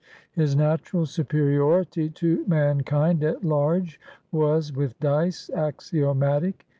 His natural superiority to mankind at large was, with Dyce, axiomatic.